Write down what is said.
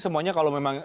semuanya kalau memang